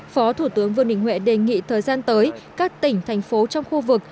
phó thủ tướng vương đình huệ đề nghị thời gian tới các tỉnh thành phố trong khu vực